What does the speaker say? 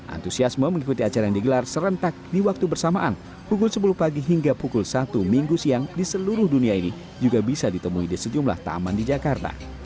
antusiasme mengikuti acara yang digelar serentak di waktu bersamaan pukul sepuluh pagi hingga pukul satu minggu siang di seluruh dunia ini juga bisa ditemui di sejumlah taman di jakarta